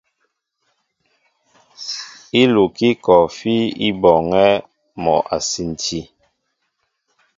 Ílukí kɔɔfí i bɔɔŋɛ́ mɔ a sinti.